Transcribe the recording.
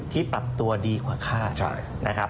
ที่ปรับตัวดีกว่าค่า